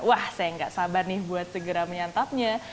wah saya nggak sabar nih buat segera menyantapnya